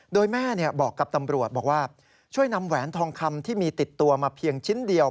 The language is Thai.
โดยแม่บอกกับตำรวจบอกว่าช่วยนำแหวนทองคำที่มีติดตัวมาเพียงชิ้นเดียว